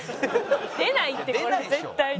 出ないってこれ絶対に。